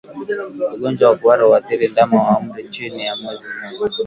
Ugonjwa wa kuhara huathiri ndama wa umri chini ya mwezi mmoja